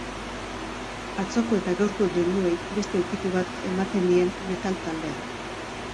Atzoko eta gaurko doinuei beste ukitu bat ematen dien metal taldea.